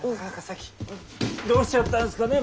どうしちゃったんですかね